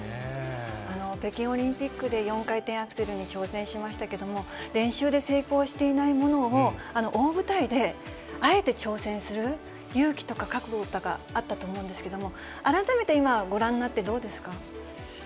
北京オリンピックで４回転アクセルに挑戦しましたけども、練習で成功していないものを大舞台であえて挑戦する勇気とか覚悟とかあったと思うんですけれども、改めて今、ご覧になってどうですか。